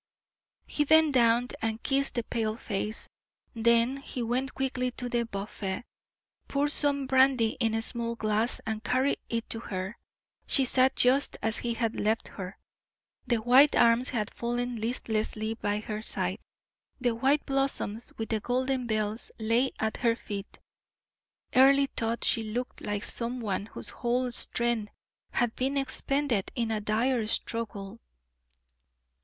He bent down and kissed the pale face, then he went quickly to the buffet, poured some brandy in a small glass and carried it to her. She sat just as he had left her the white arms had fallen listlessly by her side, the white blossoms with the golden bells lay at her feet. Earle thought she looked like some one whose whole strength had been expended in a dire struggle.